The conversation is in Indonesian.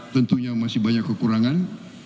tentunya masih banyak kekurangan